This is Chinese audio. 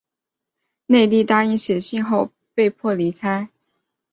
内蒂答应写信后被迫离开。